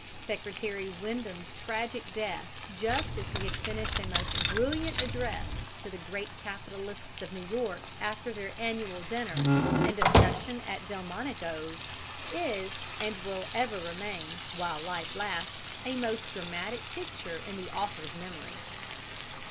Secretary Windom's tragic death just as he had finished a most brilliant address to the great capitalists of New York after their annual dinner and discussion at Delmonico's is, and will ever remain, while life lasts, a most dramatic picture in the author's memory.